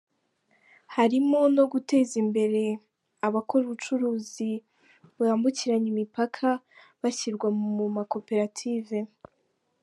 Harimo no guteza imbere abakora ubucuruzi bwambukiranya imipaka, bashyirwa mu makoperative.